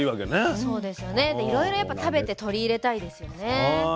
でいろいろやっぱ食べてとり入れたいですよね。